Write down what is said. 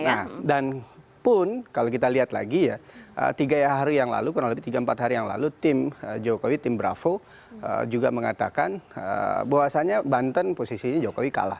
nah dan pun kalau kita lihat lagi ya tiga hari yang lalu kurang lebih tiga empat hari yang lalu tim jokowi tim bravo juga mengatakan bahwasannya banten posisinya jokowi kalah